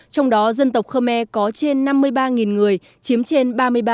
trong đó dân tộc khơ me có trên năm mươi ba người chiếm trên ba mươi ba